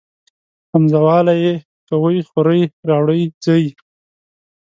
همزه واله ئ کوئ خورئ راوړئ ځئ